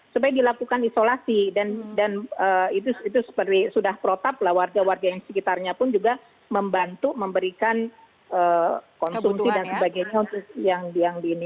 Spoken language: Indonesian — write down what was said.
supaya dilakukan isolasi dan itu seperti sudah protap lah warga warga yang sekitarnya pun juga membantu memberikan konsumsi dan sebagainya untuk yang di ini